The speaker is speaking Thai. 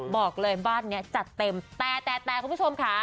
บอกเลยบ้านนี้จัดเต็มแต่แต่คุณผู้ชมค่ะ